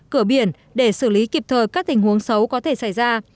cửa biển để xử lý kịp thời các tình huống xấu có thể xảy ra